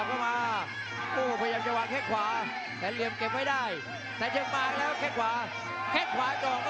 เออล่าเลยครับขยับเข้ามา